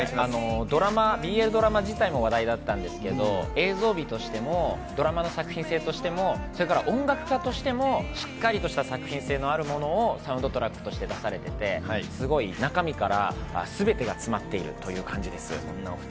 ＢＬドラマ自体も話題だったんですけれども、映像美としてもドラマの作品性としても、それから音楽家としてもしっかりとした作品性のあるものをサウンドトラックとして出されていて、すごい中身からすべてが詰まっているという感じです。